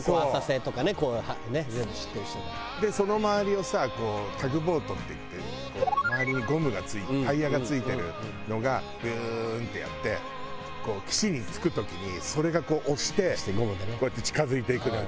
でその周りをさこうタグボートっていって周りにゴムがタイヤが付いてるのがブーンってやって岸に着く時にそれがこう押してこうやって近付いていくのよ